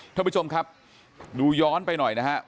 ท่านผู้ชมครับดูย้อนไปหน่อยนะครับ